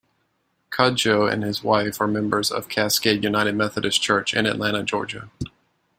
Kodjoe and his wife are members of Cascade United Methodist Church in Atlanta, Georgia.